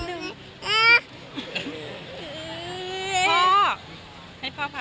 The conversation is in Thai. มินิเมาส์